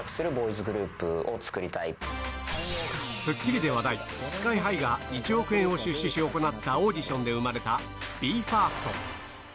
『スッキリ』で話題、ＳＫＹ−ＨＩが１億円を出資し、行ったオーディションで生まれたＢＥ：ＦＩＲＳＴ。